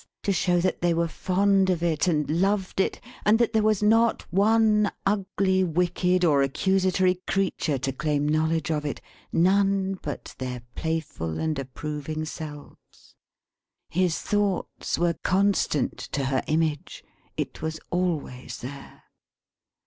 To show that they were fond of it and loved it; and that there was not one ugly, wicked, or accusatory creature to claim knowledge of it none but their playful and approving selves. His thoughts were constant to her Image. It was always there.